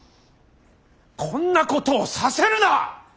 こんなことをさせるな！